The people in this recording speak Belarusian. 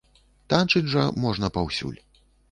Танчыць жа можна паўсюль.